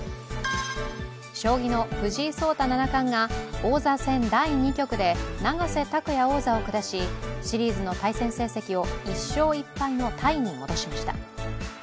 将棋の藤井聡太七冠が王座戦第２局で永瀬拓矢王座を下し、シリーズの対戦成績を１勝１敗のタイに戻りました。